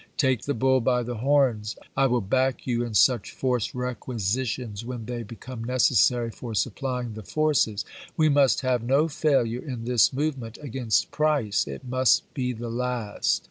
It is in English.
.. Take the bull by the horns. I will back you in such forced requi sitions when they become necessary for supplying ^curt^, the forces. We must have no failure in this move i862^° w^r. ment against Price. It must be the last."